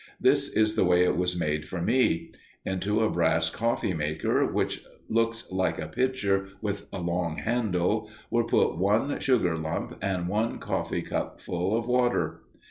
This is the way it was made for me: Into a brass coffee maker, which looks like a pitcher with a long handle, were put one sugar lump and one coffee cupful of water.